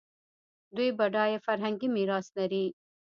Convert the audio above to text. دوی بډایه فرهنګي میراث لري.